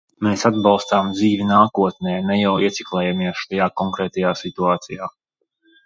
Mēs atbalstām dzīvi nākotnē, ne jau ieciklējamies šajā konkrētajā situācijā.